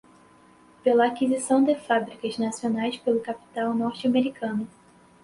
pela aquisição de fábricas nacionais pelo capital norte-americano